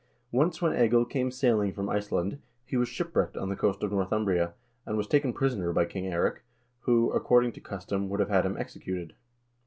Once when Egil came sailing from Iceland, he was shipwrecked on the coast of North umbria, and was taken prisoner by King Eirik, who, according to custom, would have had him executed.